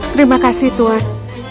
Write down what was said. terima kasih tuan